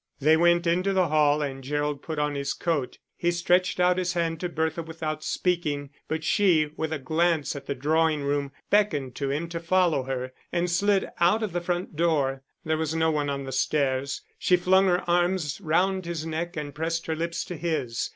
They went into the hall and Gerald put on his coat. He stretched out his hand to Bertha without speaking, but she, with a glance at the drawing room, beckoned to him to follow her, and slid out of the front door. There was no one on the stairs. She flung her arms round his neck and pressed her lips to his.